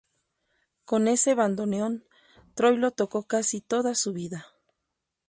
Con ese bandoneón, Troilo tocó casi toda su vida.